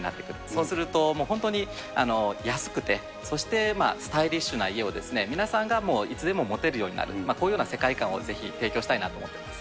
そうすると、もう本当に安くて、そしてスタイリッシュな家を、皆さんがいつでも持てるようになる、そういうような世界観をぜひ提供したいなと思ってます。